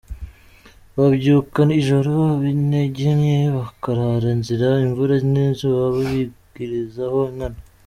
Babyuka ijoro, ab’intege nke bakarara nzira, imvura n’izuba bibigirizaho nkana.